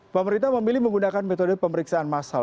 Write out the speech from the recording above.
pemerintah memilih menggunakan metode pemeriksaan massal